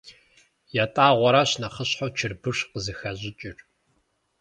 ЯтӀагъуэрщ нэхъыщхьэу чырбыш къызыхащӀыкӀыр.